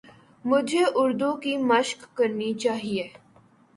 مجھے اردو کی مَشق کرنی چاہیے